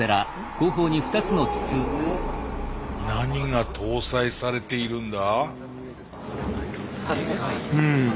何が搭載されているんだ？